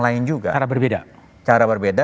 lain juga cara berbeda cara berbeda